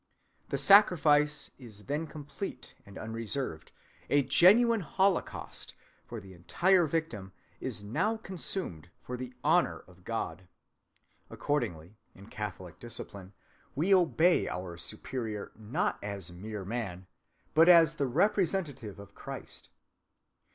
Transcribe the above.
The sacrifice is then complete and unreserved, a genuine holocaust, for the entire victim is now consumed for the honor of God."(185) Accordingly, in Catholic discipline, we obey our superior not as mere man, but as the representative of Christ.